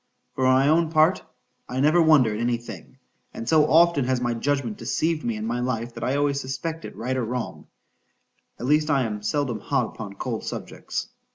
For my own part, I never wonder at any thing;—and so often has my judgment deceived me in my life, that I always suspect it, right or wrong,—at least I am seldom hot upon cold subjects.